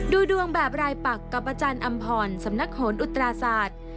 ดูดวงแบบรายปักกับอาจารย์อำพรสำนักโหนอุตราศาสตร์